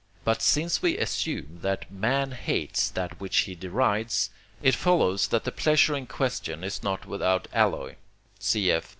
But since we assume that man hates that which he derides, it follows that the pleasure in question is not without alloy (cf.